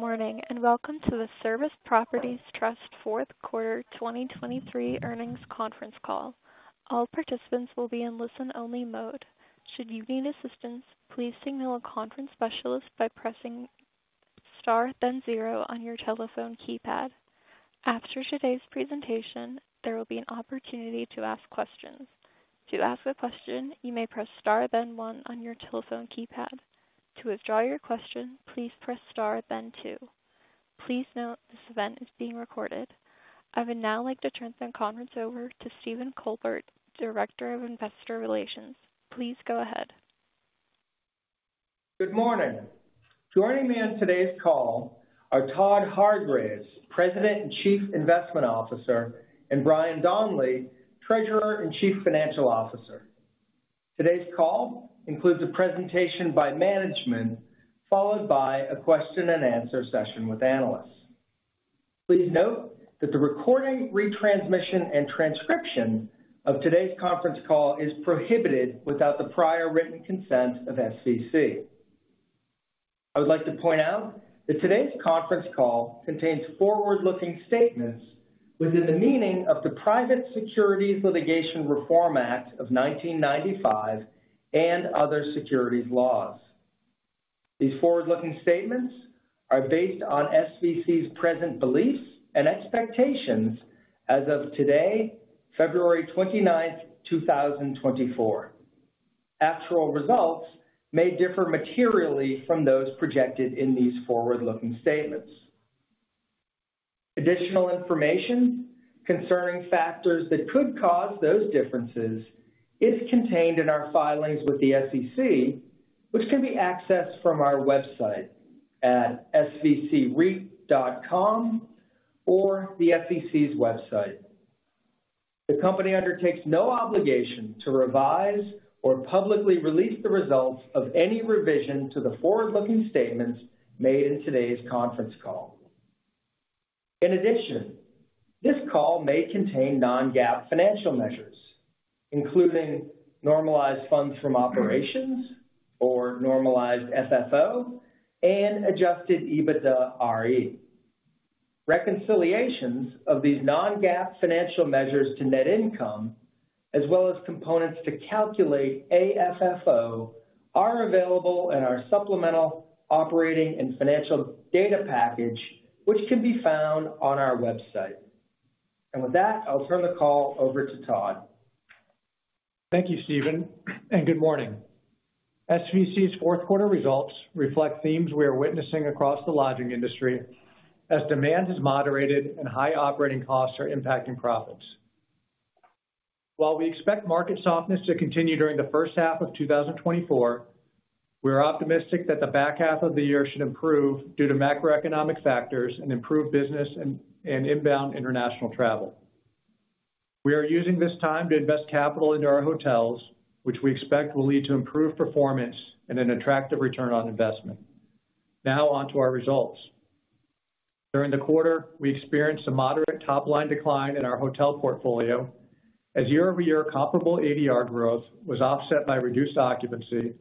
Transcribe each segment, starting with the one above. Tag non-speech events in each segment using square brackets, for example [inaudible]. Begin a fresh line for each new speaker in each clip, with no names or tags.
Good morning and welcome to the Service Properties Trust fourth quarter 2023 earnings conference call. All participants will be in listen-only mode. Should you need assistance, please signal a conference specialist by pressing * then 0 on your telephone keypad. After today's presentation, there will be an opportunity to ask questions. To ask a question, you may press * then 1 on your telephone keypad. To withdraw your question, please press * then 2. Please note this event is being recorded. I would now like to turn the conference over to Stephen Colbert, Director of Investor Relations. Please go ahead.
Good morning. Joining me on today's call are Todd Hargreaves, President and Chief Investment Officer, and Brian Donley, Treasurer and Chief Financial Officer. Today's call includes a presentation by management followed by a question-and-answer session with analysts. Please note that the recording, retransmission, and transcription of today's conference call is prohibited without the prior written consent of SVC. I would like to point out that today's conference call contains forward-looking statements within the meaning of the Private Securities Litigation Reform Act of 1995 and other securities laws. These forward-looking statements are based on SVC's present beliefs and expectations as of today, February 29, 2024. Actual results may differ materially from those projected in these forward-looking statements. Additional information concerning factors that could cause those differences is contained in our filings with the SEC, which can be accessed from our website at svcreit.com or the SEC's website. The company undertakes no obligation to revise or publicly release the results of any revision to the forward-looking statements made in today's conference call. In addition, this call may contain non-GAAP financial measures, including normalized funds from operations or normalized FFO and adjusted EBITDAre. Reconciliations of these non-GAAP financial measures to net income, as well as components to calculate AFFO, are available in our supplemental operating and financial data package, which can be found on our website. With that, I'll turn the call over to Todd.
Thank you, Stephen, and good morning. SVC's fourth quarter results reflect themes we are witnessing across the lodging industry as demand has moderated and high operating costs are impacting profits. While we expect market softness to continue during the first half of 2024, we are optimistic that the back half of the year should improve due to macroeconomic factors and improved business and inbound international travel. We are using this time to invest capital into our hotels, which we expect will lead to improved performance and an attractive return on investment. Now onto our results. During the quarter, we experienced a moderate top-line decline in our hotel portfolio as year-over-year comparable ADR growth was offset by reduced occupancy,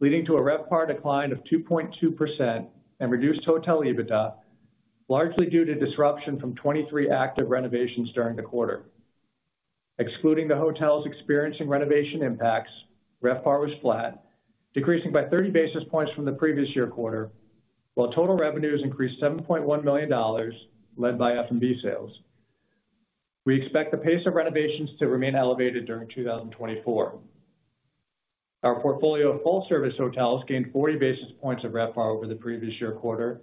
leading to a RevPAR decline of 2.2% and reduced hotel EBITDA, largely due to disruption from 23 active renovations during the quarter. Excluding the hotels experiencing renovation impacts, RevPAR was flat, decreasing by 30 basis points from the previous year quarter, while total revenues increased $7.1 million, led by F&B sales. We expect the pace of renovations to remain elevated during 2024. Our portfolio of full-service hotels gained 40 basis points of RevPAR over the previous year quarter,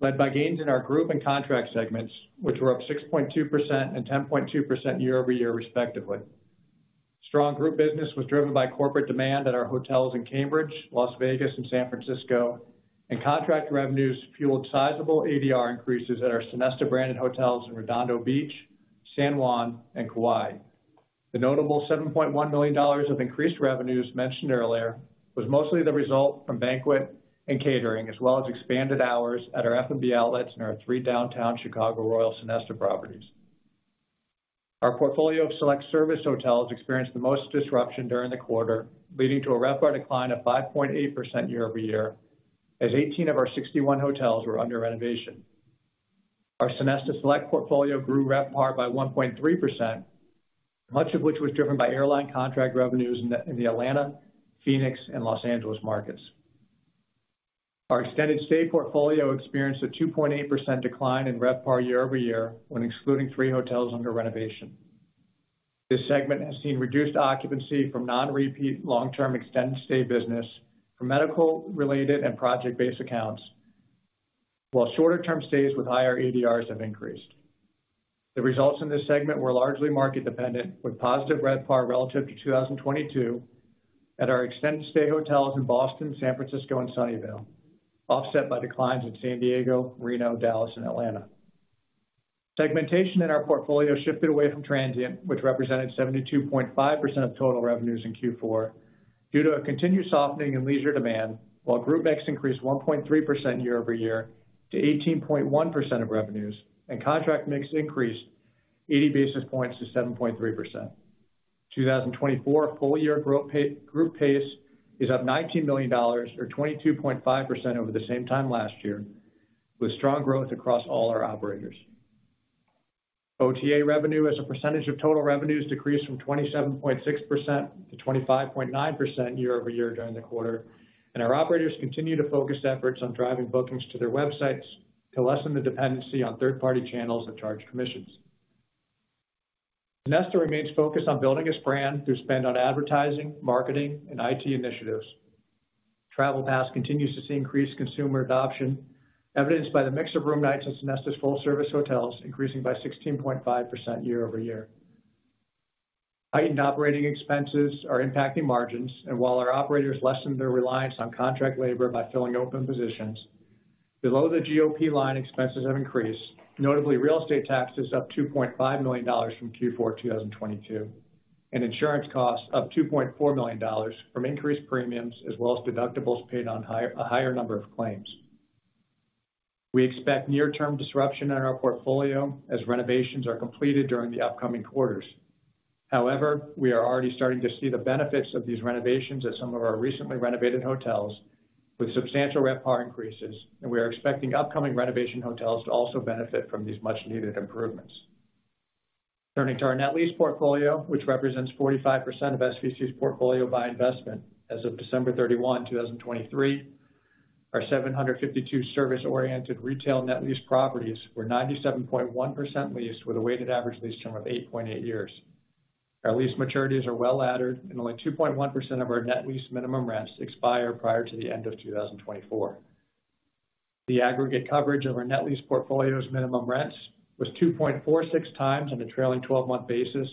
led by gains in our group and contract segments, which were up 6.2% and 10.2% year-over-year, respectively. Strong group business was driven by corporate demand at our hotels in Cambridge, Las Vegas, and San Francisco, and contract revenues fueled sizable ADR increases at our Sonesta-branded hotels in Redondo Beach, San Juan, and Kauai. The notable $7.1 million of increased revenues mentioned earlier was mostly the result from banquet and catering, as well as expanded hours at our F&B outlets in our three downtown Chicago Royal Sonesta properties. Our portfolio of select service hotels experienced the most disruption during the quarter, leading to a RevPAR decline of 5.8% year-over-year, as 18 of our 61 hotels were under renovation. Our Sonesta Select portfolio grew RevPAR by 1.3%, much of which was driven by airline contract revenues in the Atlanta, Phoenix, and Los Angeles markets. Our extended stay portfolio experienced a 2.8% decline in RevPAR year-over-year when excluding three hotels under renovation. This segment has seen reduced occupancy from non-repeat long-term extended stay business for medical-related and project-based accounts, while shorter-term stays with higher ADRs have increased. The results in this segment were largely market-dependent, with positive RevPAR relative to 2022 at our extended stay hotels in Boston, San Francisco, and Sunnyvale, offset by declines in San Diego, Reno, Dallas, and Atlanta. Segmentation in our portfolio shifted away from transient, which represented 72.5% of total revenues in Q4 due to a continued softening in leisure demand, while group mix increased 1.3% year-over-year to 18.1% of revenues and contract mix increased 80 basis points to 7.3%. 2024 full-year group pace is up $19 million or 22.5% over the same time last year, with strong growth across all our operators. OTA revenue, as a percentage of total revenues, decreased from 27.6%-25.9% year-over-year during the quarter, and our operators continue to focus efforts on driving bookings to their websites to lessen the dependency on third-party channels that charge commissions. Sonesta remains focused on building its brand through spend on advertising, marketing, and IT initiatives. Travel Pass continues to see increased consumer adoption, evidenced by the mix of room nights at Sonesta's full-service hotels increasing by 16.5% year-over-year. Heightened operating expenses are impacting margins, and while our operators lessen their reliance on contract labor by filling open positions, below the GOP line expenses have increased, notably real estate taxes up $2.5 million from Q4 2022 and insurance costs up $2.4 million from increased premiums as well as deductibles paid on a higher number of claims. We expect near-term disruption in our portfolio as renovations are completed during the upcoming quarters. However, we are already starting to see the benefits of these renovations at some of our recently renovated hotels with substantial RevPAR increases, and we are expecting upcoming renovation hotels to also benefit from these much-needed improvements. Turning to our net lease portfolio, which represents 45% of SVC's portfolio by investment as of December 31, 2023, our 752 service-oriented retail net lease properties were 97.1% leased with a weighted average lease term of 8.8 years. Our lease maturities are well-laddered, and only 2.1% of our net lease minimum rents expire prior to the end of 2024. The aggregate coverage of our net lease portfolio's minimum rents was 2.46x on a trailing 12-month basis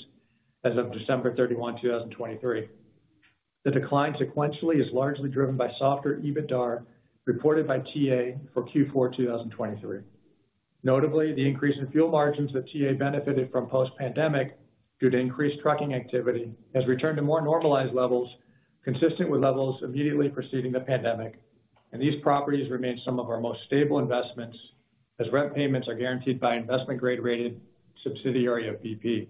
as of December 31, 2023. The decline sequentially is largely driven by softer EBITDA reported by TA for Q4 2023. Notably, the increase in fuel margins that TA benefited from post-pandemic due to increased trucking activity has returned to more normalized levels consistent with levels immediately preceding the pandemic, and these properties remain some of our most stable investments as rent payments are guaranteed by investment-grade rated subsidiary of BP.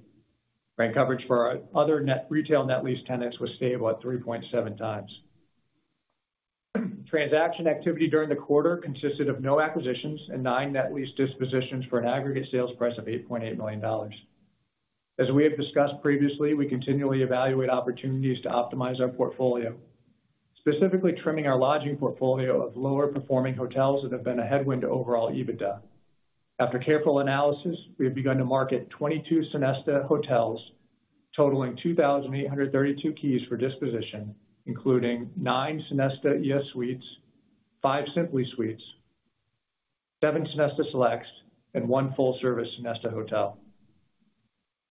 Rent coverage for our other retail net lease tenants was stable at 3.7x. Transaction activity during the quarter consisted of no acquisitions and nine net lease dispositions for an aggregate sales price of $8.8 million. As we have discussed previously, we continually evaluate opportunities to optimize our portfolio, specifically trimming our lodging portfolio of lower-performing hotels that have been a headwind to overall EBITDA. After careful analysis, we have begun to market 22 Sonesta hotels, totaling 2,832 keys for disposition, including nine Sonesta ES Suites, five Simply Suites, seven Sonesta Selects, and one full-service Sonesta hotel.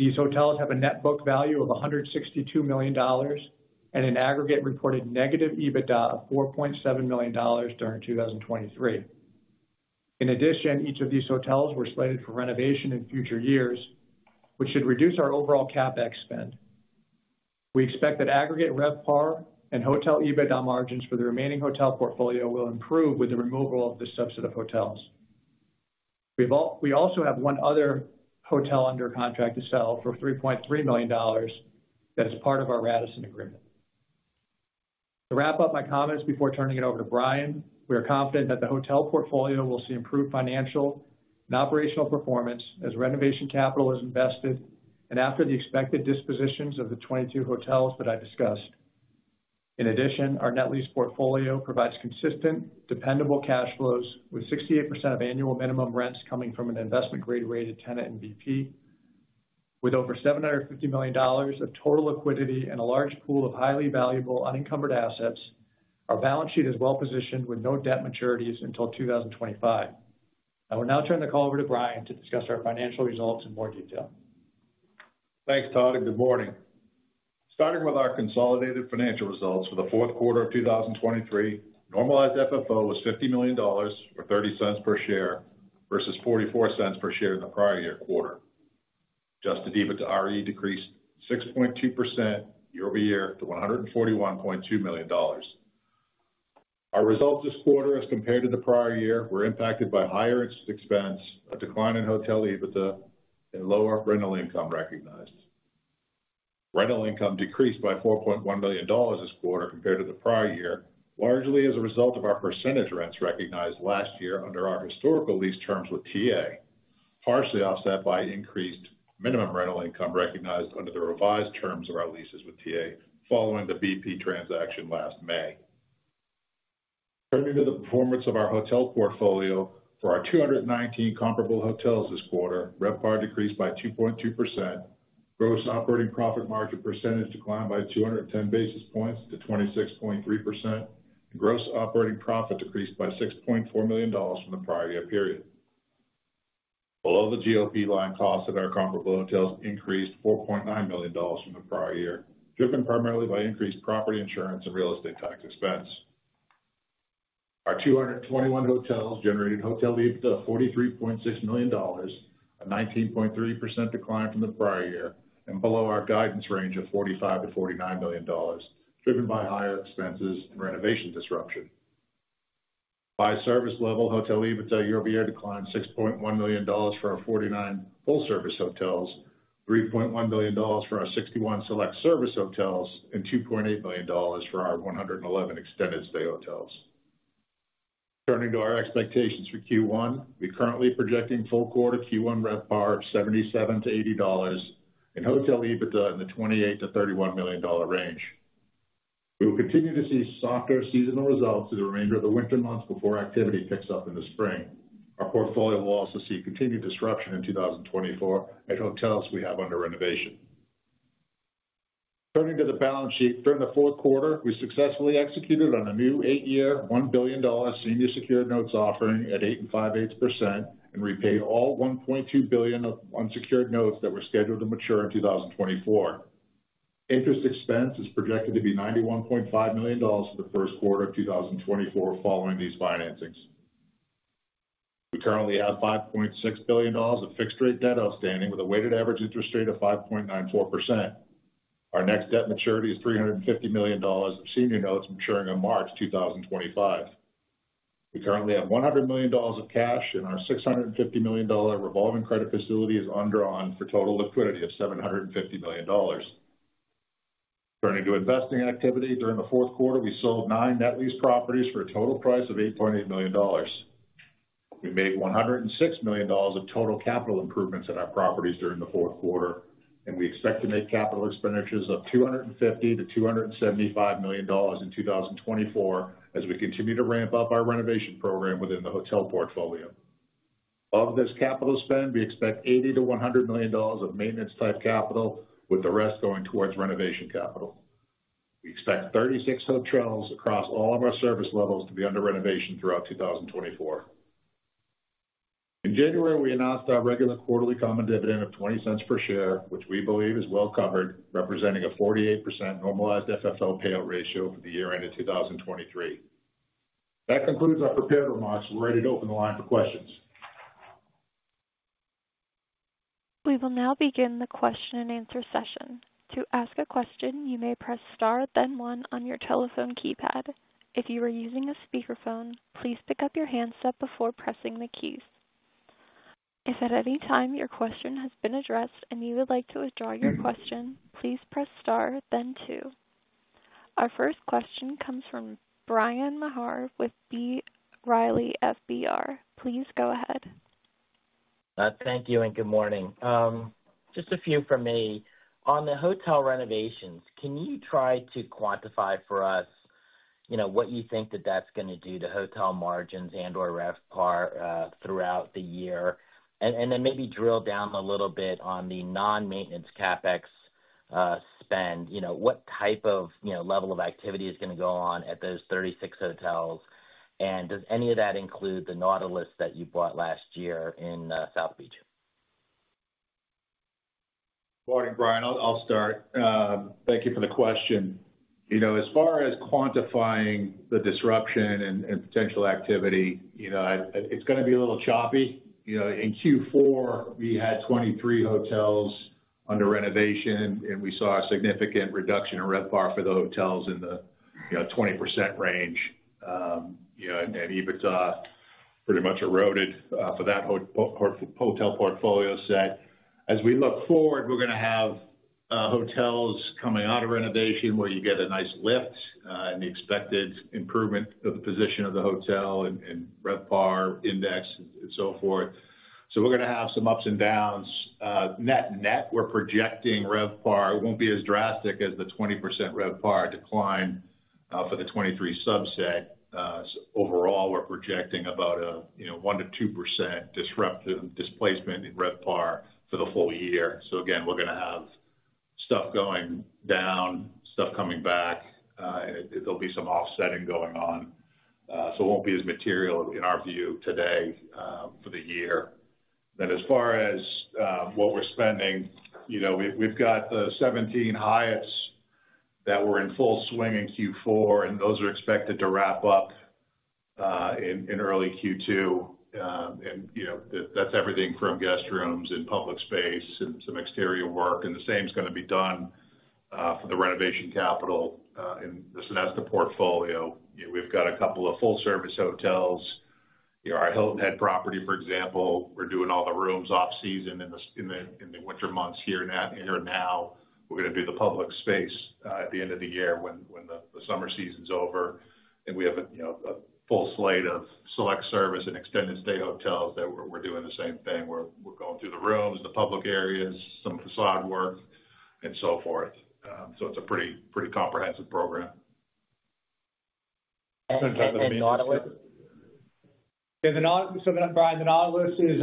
These hotels have a net book value of $162 million and an aggregate reported negative EBITDA of $4.7 million during 2023. In addition, each of these hotels were slated for renovation in future years, which should reduce our overall CapEx spend. We expect that aggregate RevPAR and hotel EBITDA margins for the remaining hotel portfolio will improve with the removal of the subset of hotels. We also have one other hotel under contract to sell for $3.3 million that is part of our Radisson agreement. To wrap up my comments before turning it over to Brian, we are confident that the hotel portfolio will see improved financial and operational performance as renovation capital is invested and after the expected dispositions of the 22 hotels that I discussed. In addition, our net lease portfolio provides consistent, dependable cash flows with 68% of annual minimum rents coming from an investment-grade rated tenant in BP. With over $750 million of total liquidity and a large pool of highly valuable unencumbered assets, our balance sheet is well-positioned with no debt maturities until 2025. I will now turn the call over to Brian to discuss our financial results in more detail.
Thanks, Todd. Good morning. Starting with our consolidated financial results for the fourth quarter of 2023, normalized FFO was $50 million or $0.30 per share versus $0.44 per share in the prior year quarter. Adjusted EBITDA RE decreased 6.2% year-over-year to $141.2 million. Our results this quarter, as compared to the prior year, were impacted by higher expense, a decline in hotel EBITDA, and lower rental income recognized. Rental income decreased by $4.1 million this quarter compared to the prior year, largely as a result of our percentage rents recognized last year under our historical lease terms with TA, partially offset by increased minimum rental income recognized under the revised terms of our leases with TA following the BP transaction last May. Turning to the performance of our hotel portfolio for our 219 comparable hotels this quarter, RevPAR decreased by 2.2%, gross operating profit margin percentage declined by 210 basis points to 26.3%, and gross operating profit decreased by $6.4 million from the prior year period. Below the GOP line, costs of our comparable hotels increased $4.9 million from the prior year, driven primarily by increased property insurance and real estate tax expense. Our 221 hotels generated hotel EBITDA of $43.6 million, a 19.3% decline from the prior year, and below our guidance range of $45 million-$49 million, driven by higher expenses and renovation disruption. By service level, hotel EBITDA year-over-year declined $6.1 million for our 49 full-service hotels, $3.1 million for our 61 Select service hotels, and $2.8 million for our 111 extended stay hotels. Turning to our expectations for Q1, we currently projecting full quarter Q1 RevPAR of $77-$80 and hotel EBITDA in the $28 million-$31 million range. We will continue to see softer seasonal results through the remainder of the winter months before activity picks up in the spring. Our portfolio will also see continued disruption in 2024 at hotels we have under renovation. Turning to the balance sheet, during the fourth quarter, we successfully executed on a new 8-year $1 billion senior secured notes offering at 8.58% and repaid all $1.2 billion of unsecured notes that were scheduled to mature in 2024. Interest expense is projected to be $91.5 million for the first quarter of 2024 following these financings. We currently have $5.6 billion of fixed-rate debt outstanding with a weighted average interest rate of 5.94%. Our next debt maturity is $350 million of senior notes maturing in March 2025. We currently have $100 million of cash, and our $650 million revolving credit facility is undrawn for total liquidity of $750 million. Turning to investing activity, during the fourth quarter, we sold nine net lease properties for a total price of $8.8 million. We made $106 million of total capital improvements in our properties during the fourth quarter, and we expect to make capital expenditures of $250 million-$275 million in 2024 as we continue to ramp up our renovation program within the hotel portfolio. Of this capital spend, we expect $80 million-$100 million of maintenance-type capital, with the rest going towards renovation capital. We expect 36 hotels across all of our service levels to be under renovation throughout 2024. In January, we announced our regular quarterly common dividend of $0.20 per share, which we believe is well-covered, representing a 48% normalized FFO payout ratio for the year-end of 2023. That concludes our prepared remarks. We're ready to open the line for questions.
We will now begin the question-and-answer session. To ask a question, you may press star, then one, on your telephone keypad. If you are using a speakerphone, please pick up your handset before pressing the keys. If at any time your question has been addressed and you would like to withdraw your question, please press star, then two. Our first question comes from Bryan Maher with B. Riley FBR. Please go ahead.
Thank you and good morning. Just a few from me. On the hotel renovations, can you try to quantify for us what you think that that's going to do to hotel margins and/or RevPAR throughout the year, and then maybe drill down a little bit on the non-maintenance CapEx spend? What type of level of activity is going to go on at those 36 hotels, and does any of that include the Nautilus that you bought last year in South Beach?
Good morning, Bryan. I'll start. Thank you for the question. As far as quantifying the disruption and potential activity, it's going to be a little choppy. In Q4, we had 23 hotels under renovation, and we saw a significant reduction in RevPAR for the hotels in the 20% range, and EBITDA pretty much eroded for that hotel portfolio set. As we look forward, we're going to have hotels coming out of renovation where you get a nice lift and the expected improvement of the position of the hotel and RevPAR index and so forth. So we're going to have some ups and downs. Net-net, we're projecting RevPAR won't be as drastic as the 20% RevPAR decline for the 23 subset. Overall, we're projecting about a 1%-2% disruption displacement in RevPAR for the full year. So again, we're going to have stuff going down, stuff coming back, and there'll be some offsetting going on. So it won't be as material, in our view, today for the year. Then as far as what we're spending, we've got the 17 Hyatts that were in full swing in Q4, and those are expected to wrap up in early Q2. And that's everything from guest rooms and public space and some exterior work. And the same's going to be done for the renovation capital in the Sonesta portfolio. We've got a couple of full-service hotels. Our Hilton Head property, for example, we're doing all the rooms off-season in the winter months here and now. We're going to do the public space at the end of the year when the summer season's over. And we have a full slate of select-service and extended-stay hotels that we're doing the same thing. We're going through the rooms, the public areas, some façade work, and so forth. So it's a pretty comprehensive program. [crosstalk] I'm going to talk about maintenance.
Yeah. So Bryan, the Nautilus is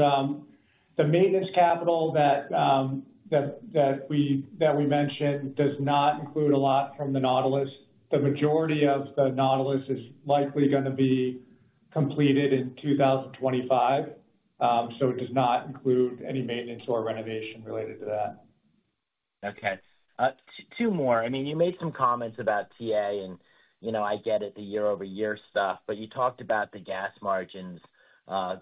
the maintenance capital that we mentioned does not include a lot from the Nautilus. The majority of the Nautilus is likely going to be completed in 2025, so it does not include any maintenance or renovation related to that.
Okay. Two more. I mean, you made some comments about TA, and I get it, the year-over-year stuff, but you talked about the gas margins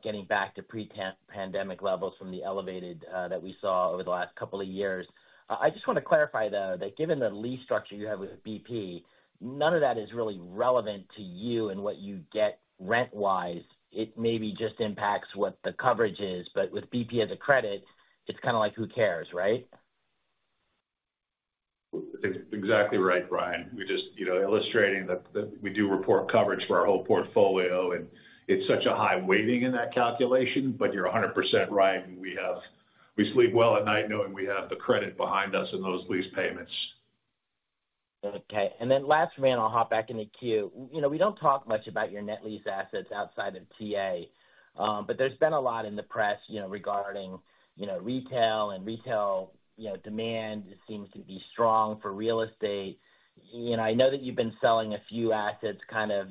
getting back to pre-pandemic levels from the elevated that we saw over the last couple of years. I just want to clarify, though, that given the lease structure you have with BP, none of that is really relevant to you and what you get rent-wise. It maybe just impacts what the coverage is, but with BP as a credit, it's kind of like, "Who cares?" Right?
Exactly right, Brian. Illustrating that we do report coverage for our whole portfolio, and it's such a high weighting in that calculation, but you're 100% right. We sleep well at night knowing we have the credit behind us in those lease payments.
Okay. And then last, Brian, I'll hop back into queue. We don't talk much about your net lease assets outside of TA, but there's been a lot in the press regarding retail, and retail demand seems to be strong for real estate. I know that you've been selling a few assets, kind of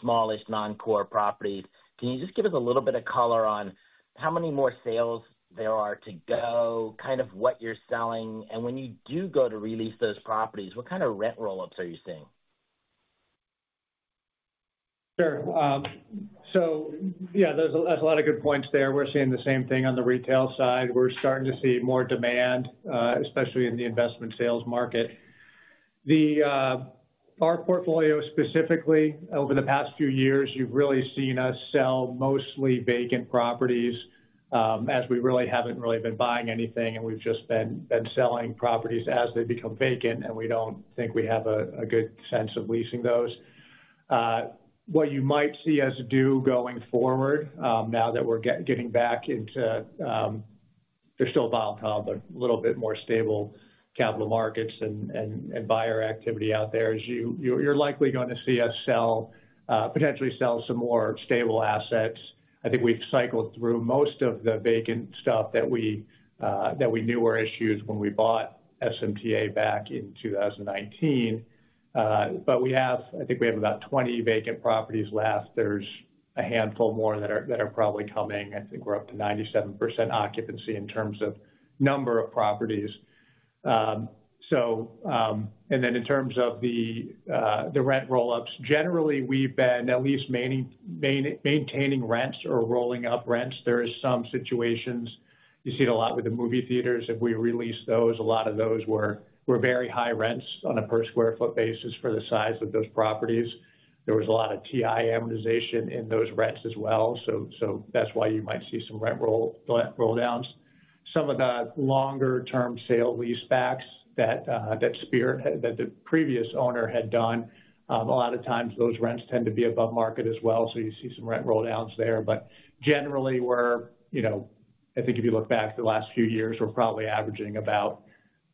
smallish non-core properties. Can you just give us a little bit of color on how many more sales there are to go, kind of what you're selling? And when you do go to release those properties, what kind of rent roll-ups are you seeing?
Sure. So yeah, there's a lot of good points there. We're seeing the same thing on the retail side. We're starting to see more demand, especially in the investment sales market. Our portfolio specifically, over the past few years, you've really seen us sell mostly vacant properties as we really haven't really been buying anything, and we've just been selling properties as they become vacant, and we don't think we have a good sense of leasing those. What you might see us do going forward now that we're getting back into they're still a volatile, but a little bit more stable capital markets and buyer activity out there, you're likely going to see us potentially sell some more stable assets. I think we've cycled through most of the vacant stuff that we knew were issues when we bought SMTA back in 2019. But I think we have about 20 vacant properties left. There's a handful more that are probably coming. I think we're up to 97% occupancy in terms of number of properties. And then in terms of the rent roll-ups, generally, we've been at least maintaining rents or rolling up rents. There are some situations you see it a lot with the movie theaters. If we release those, a lot of those were very high rents on a per square foot basis for the size of those properties. There was a lot of TI amortization in those rents as well, so that's why you might see some rent roll-downs. Some of the longer-term sale leasebacks that the previous owner had done, a lot of times, those rents tend to be above market as well, so you see some rent roll-downs there. Generally, I think if you look back the last few years, we're probably averaging about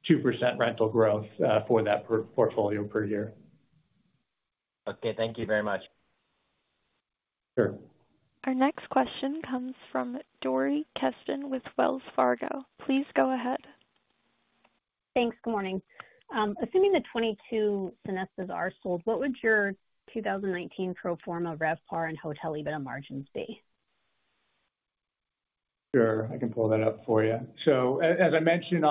2% rental growth for that portfolio per year.
Okay. Thank you very much.
Sure.
Our next question comes from Dori Kesten with Wells Fargo. Please go ahead.
Thanks. Good morning. Assuming the 22 Sonestas are sold, what would your 2019 pro forma RevPAR and hotel EBITDA margins be?
Sure. I can pull that up for you. So as I mentioned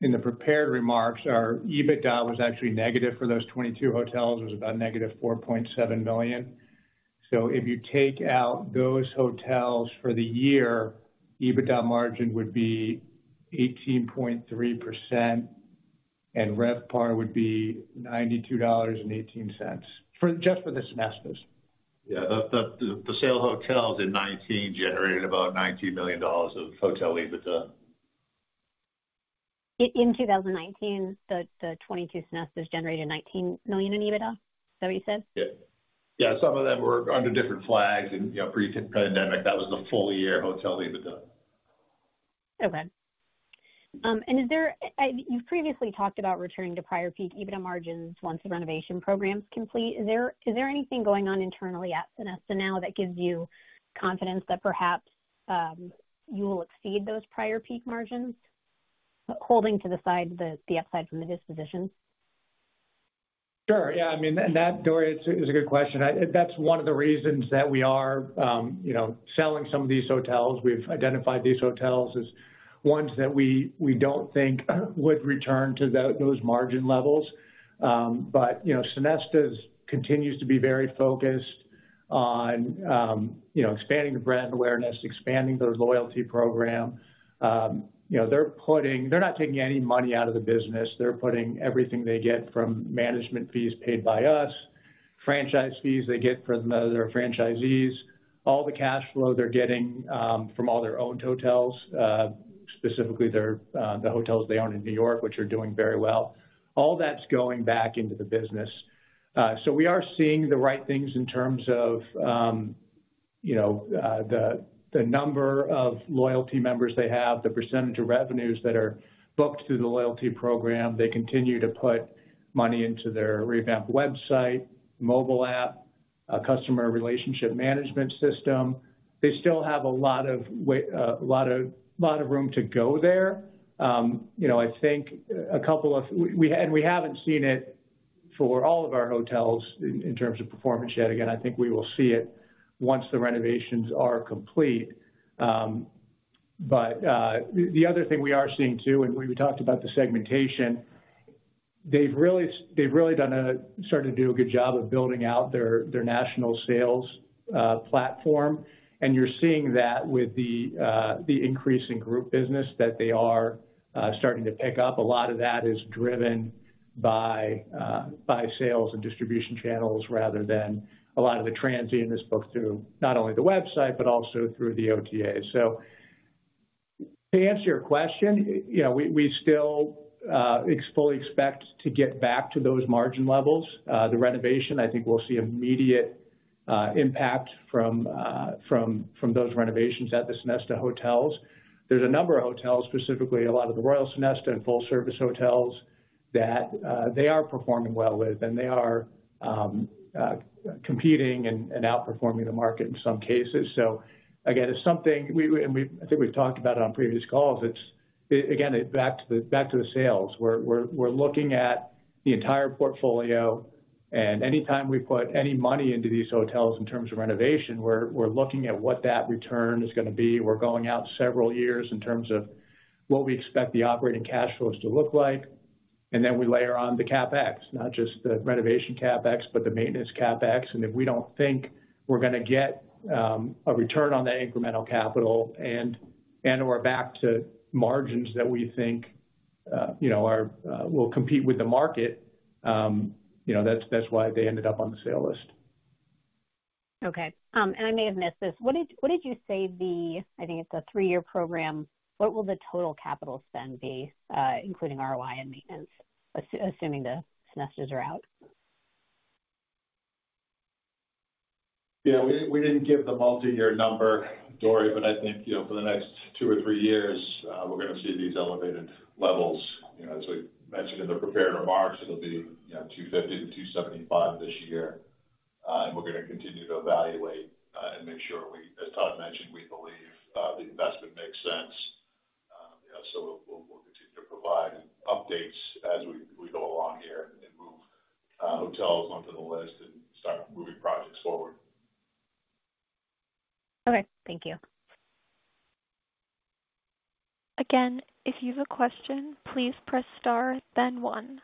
in the prepared remarks, our EBITDA was actually negative for those 22 hotels. It was about -$4.7 million. So if you take out those hotels for the year, EBITDA margin would be 18.3%, and RevPAR would be $92.18 just for the Sonestas.
Yeah. The sold hotels in 2019 generated about $19 million of hotel EBITDA.
In 2019, the 22 Sonestas generated $19 million in EBITDA? Is that what you said?
Yeah. Yeah. Some of them were under different flags. Pre-pandemic, that was the full-year hotel EBITDA.
Okay. And you've previously talked about returning to prior peak EBITDA margins once the renovation programs complete. Is there anything going on internally at Sonesta now that gives you confidence that perhaps you will exceed those prior peak margins, holding to the upside from the disposition?
Sure. Yeah. I mean, that, Dori, is a good question. That's one of the reasons that we are selling some of these hotels. We've identified these hotels as ones that we don't think would return to those margin levels. But Sonesta continues to be very focused on expanding the brand awareness, expanding their loyalty program. They're not taking any money out of the business. They're putting everything they get from management fees paid by us, franchise fees they get from their franchisees, all the cash flow they're getting from all their own hotels, specifically the hotels they own in New York, which are doing very well, all that's going back into the business. So we are seeing the right things in terms of the number of loyalty members they have, the percentage of revenues that are booked through the loyalty program. They continue to put money into their revamped website, mobile app, customer relationship management system. They still have a lot of room to go there. I think we haven't seen it for all of our hotels in terms of performance yet. Again, I think we will see it once the renovations are complete. But the other thing we are seeing too, and we talked about the segmentation, they've really started to do a good job of building out their national sales platform. And you're seeing that with the increase in group business that they are starting to pick up. A lot of that is driven by sales and distribution channels rather than a lot of the transient is booked through not only the website but also through the OTA. So to answer your question, we still fully expect to get back to those margin levels. The renovation, I think we'll see immediate impact from those renovations at the Sonesta hotels. There's a number of hotels, specifically a lot of the Royal Sonesta and full-service hotels, that they are performing well with, and they are competing and outperforming the market in some cases. So again, it's something and I think we've talked about it on previous calls. Again, back to the sales. We're looking at the entire portfolio, and anytime we put any money into these hotels in terms of renovation, we're looking at what that return is going to be. We're going out several years in terms of what we expect the operating cash flows to look like. And then we layer on the CapEx, not just the renovation CapEx but the maintenance CapEx. If we don't think we're going to get a return on that incremental capital and/or back to margins that we think will compete with the market, that's why they ended up on the sale list.
Okay. And I may have missed this. What did you say the—I think it's a three-year program. What will the total capital spend be, including ROI and maintenance, assuming the Sonestas are out?
Yeah. We didn't give the multi-year number, Dori, but I think for the next two or three years, we're going to see these elevated levels. As we mentioned in the prepared remarks, it'll be $250-$275 this year. We're going to continue to evaluate and make sure as Todd mentioned, we believe the investment makes sense. We'll continue to provide updates as we go along here and move hotels onto the list and start moving projects forward.
Okay. Thank you.
Again, if you have a question, please press star, then one.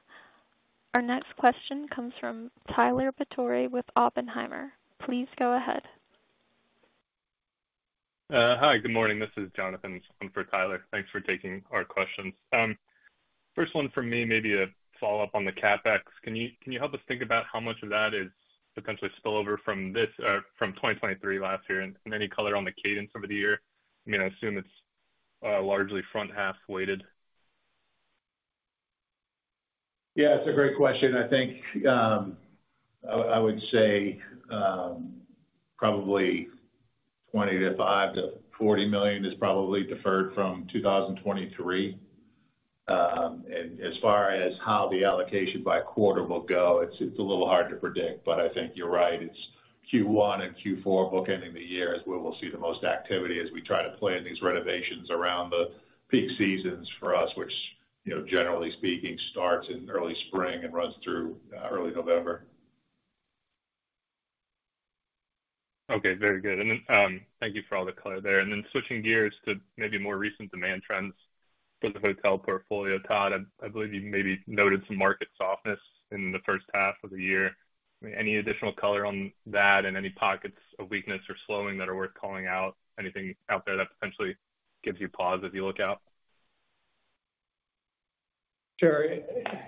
Our next question comes from Tyler Batory with Oppenheimer. Please go ahead.
Hi. Good morning. This is Jonathan. I'm for Tyler. Thanks for taking our questions. First one from me, maybe a follow-up on the CapEx. Can you help us think about how much of that is potentially spillover from 2023 last year and any color on the cadence over the year? I mean, I assume it's largely front half weighted.
Yeah. It's a great question. I think I would say probably $25 million-$40 million is probably deferred from 2023. And as far as how the allocation by quarter will go, it's a little hard to predict. But I think you're right. It's Q1 and Q4 bookending the year is where we'll see the most activity as we try to plan these renovations around the peak seasons for us, which, generally speaking, starts in early spring and runs through early November.
Okay. Very good. Thank you for all the color there. Then switching gears to maybe more recent demand trends for the hotel portfolio, Todd, I believe you maybe noted some market softness in the first half of the year. Any additional color on that and any pockets of weakness or slowing that are worth calling out? Anything out there that potentially gives you pause as you look out?
Sure.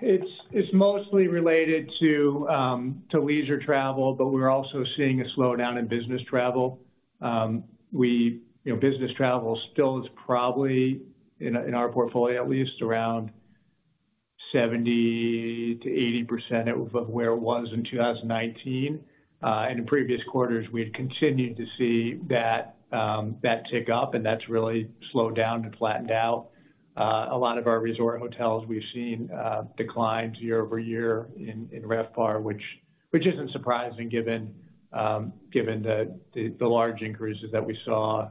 It's mostly related to lease or travel, but we're also seeing a slowdown in business travel. Business travel still is probably, in our portfolio at least, around 70%-80% of where it was in 2019. And in previous quarters, we had continued to see that tick up, and that's really slowed down and flattened out. A lot of our resort hotels, we've seen declines year over year in RevPAR, which isn't surprising given the large increases that we saw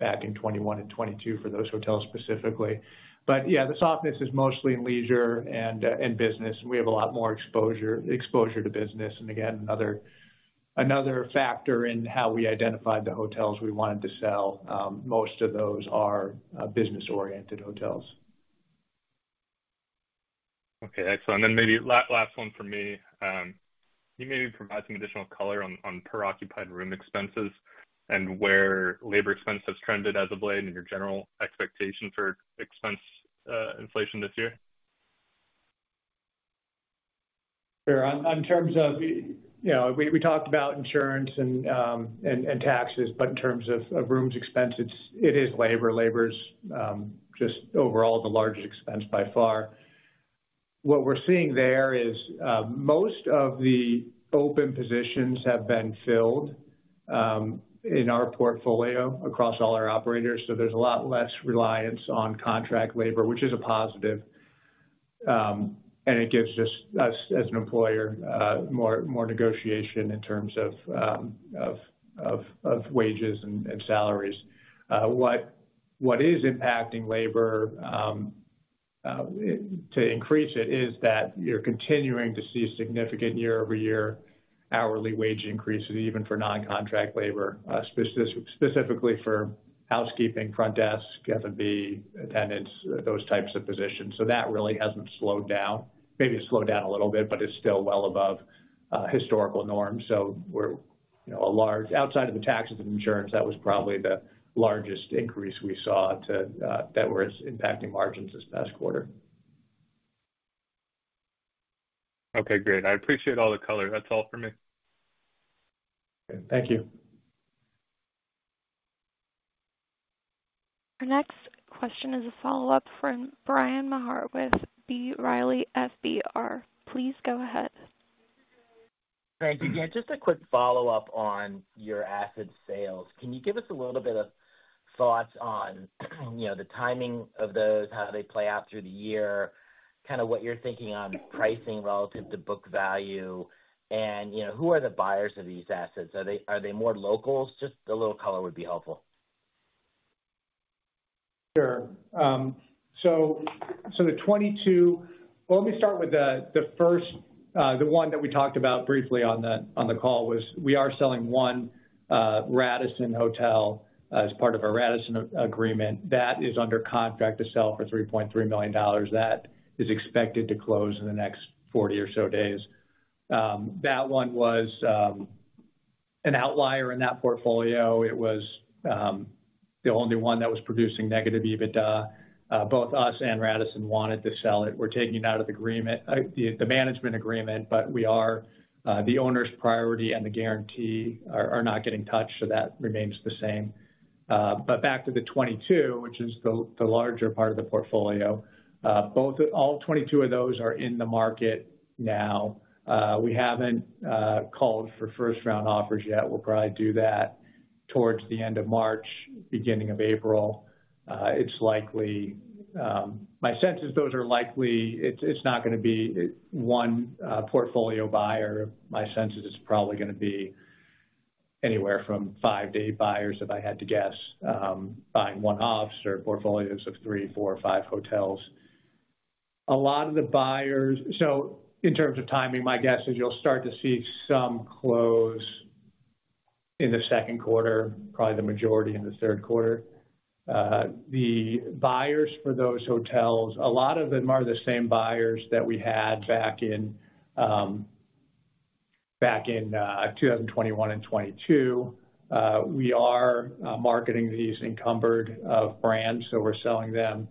back in 2021 and 2022 for those hotels specifically. But yeah, the softness is mostly in leisure and business, and we have a lot more exposure to business. And again, another factor in how we identified the hotels we wanted to sell, most of those are business-oriented hotels.
Okay. Excellent. And then maybe last one from me. Can you maybe provide some additional color on per-occupied room expenses and where labor expenses have trended as of late and your general expectation for expense inflation this year?
Sure. In terms of, we talked about insurance and taxes, but in terms of rooms expense, it is labor. Labor's just overall the largest expense by far. What we're seeing there is most of the open positions have been filled in our portfolio across all our operators. So there's a lot less reliance on contract labor, which is a positive. And it gives us, as an employer, more negotiation in terms of wages and salaries. What is impacting labor to increase it is that you're continuing to see significant year-over-year hourly wage increases, even for non-contract labor, specifically for housekeeping, front desk, F&B, attendants, those types of positions. So that really hasn't slowed down. Maybe it slowed down a little bit, but it's still well above historical norms. So outside of the taxes and insurance, that was probably the largest increase we saw that was impacting margins this past quarter.
Okay. Great. I appreciate all the color. That's all from me.
Okay. Thank you.
Our next question is a follow-up from Bryan Maher with B. Riley FBR. Please go ahead.
Frank, again, just a quick follow-up on your asset sales. Can you give us a little bit of thoughts on the timing of those, how they play out through the year, kind of what you're thinking on pricing relative to book value, and who are the buyers of these assets? Are they more locals? Just a little color would be helpful.
Sure. So the 22, well, let me start with the one that we talked about briefly on the call was we are selling one Radisson hotel as part of our Radisson agreement. That is under contract to sell for $3.3 million. That is expected to close in the next 40 or so days. That one was an outlier in that portfolio. It was the only one that was producing negative EBITDA. Both us and Radisson wanted to sell it. We're taking it out of the management agreement, but the owner's priority and the guarantee are not getting touched, so that remains the same. But back to the 22, which is the larger part of the portfolio, all 22 of those are in the market now. We haven't called for first-round offers yet. We'll probably do that towards the end of March, beginning of April. My sense is those are likely. It's not going to be one portfolio buyer. My sense is it's probably going to be anywhere from five-eight buyers, if I had to guess, buying one-offs or portfolios of three, four, or five hotels. A lot of the buyers, so in terms of timing, my guess is you'll start to see some close in the second quarter, probably the majority in the third quarter. The buyers for those hotels, a lot of them are the same buyers that we had back in 2021 and 2022. We are marketing these encumbered brands, so we're selling them,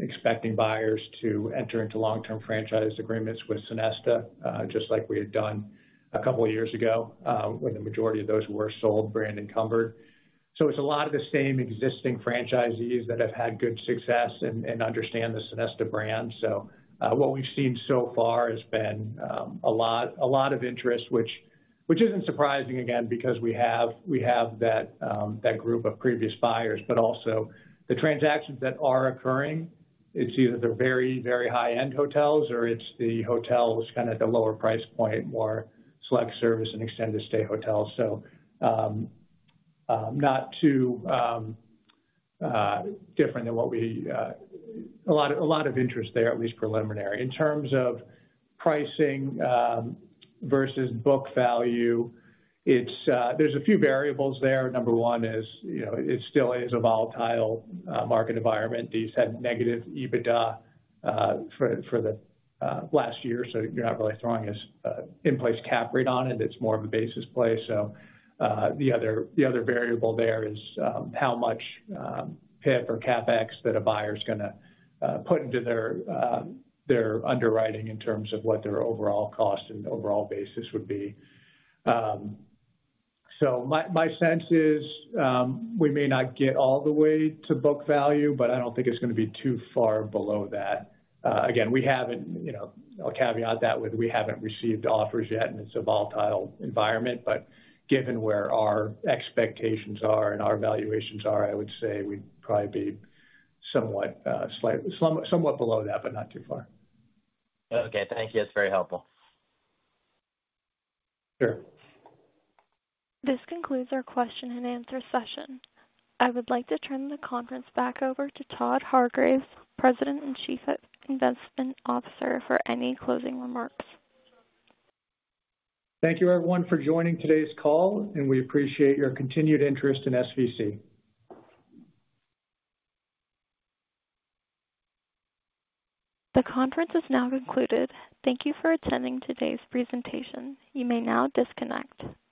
expecting buyers to enter into long-term franchise agreements with Sonesta, just like we had done a couple of years ago when the majority of those were sold brand encumbered. So it's a lot of the same existing franchisees that have had good success and understand the Sonesta brand. So what we've seen so far has been a lot of interest, which isn't surprising, again, because we have that group of previous buyers. But also the transactions that are occurring, it's either they're very, very high-end hotels or it's the hotels kind of at the lower price point, more select service and extended-stay hotels. So not too different than what we a lot of interest there, at least preliminary. In terms of pricing versus book value, there's a few variables there. Number one is it still is a volatile market environment. These had negative EBITDA for the last year, so you're not really throwing an in-place cap rate on it. It's more of a basis play. So the other variable there is how much PIP or CapEx that a buyer's going to put into their underwriting in terms of what their overall cost and overall basis would be. So my sense is we may not get all the way to book value, but I don't think it's going to be too far below that. Again, I'll caveat that with we haven't received offers yet, and it's a volatile environment. But given where our expectations are and our valuations are, I would say we'd probably be somewhat below that but not too far.
Okay. Thank you. That's very helpful.
Sure.
This concludes our question-and-answer session. I would like to turn the conference back over to Todd Hargreaves, President and Chief Investment Officer, for any closing remarks.
Thank you, everyone, for joining today's call, and we appreciate your continued interest in SVC.
The conference is now concluded. Thank you for attending today's presentation. You may now disconnect.